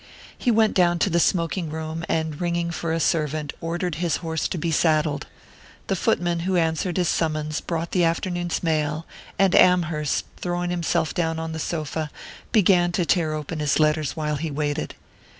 He went down to the smoking room, and ringing for a servant, ordered his horse to be saddled. The foot man who answered his summons brought the afternoon's mail, and Amherst, throwing himself down on the sofa, began to tear open his letters while he waited.